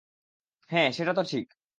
হ্যাঁ, সেটা তো ঠিক।